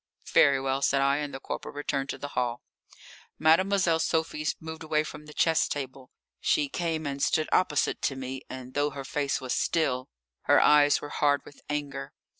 "Very well," said I, and the corporal returned to the hall. Mademoiselle Sophie moved away from the chess table. She came and stood opposite to me, and though her face was still, her eyes were hard with anger.